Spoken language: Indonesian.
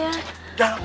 jangan aku tak mau